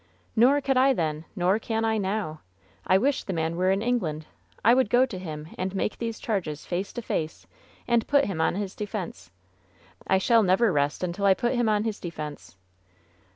"Nor could I then, nor can I now. I wish the man were in England. I would go to him and make these charges face to face, and put him on his defense. I shall never rest until I put him on his defense."